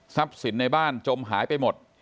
สินในบ้านจมหายไปหมด